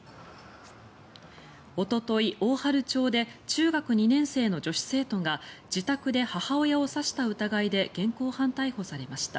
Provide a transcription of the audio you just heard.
おととい、大治町で中学２年生の女子生徒が自宅で母親を刺した疑いで現行犯逮捕されました。